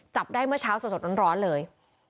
จับได้เมื่อเช้าสดร้อนเลย